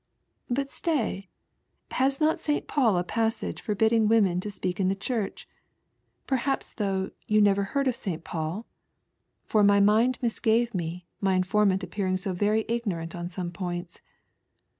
"But stay; has not S. Paul a passage forbidding romen to epeak in the Chnrch? Perhaps though 12 ONLY A GHOST. jou never heard of S. Paul ?" for my mind misgave me, my informant appealing so very ignorant on some points.